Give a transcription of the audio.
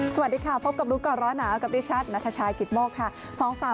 สวัสดีค่ะพบกับรู้ก่อนร้อนหนาวกับดิฉันนัทชายกิตโมกค่ะ